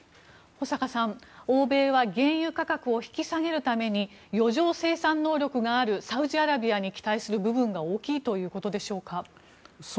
保坂さん、欧米は原油価格を引き下げるために余剰生産能力があるサウジアラビアに期待する部分が大きいということでしょうか。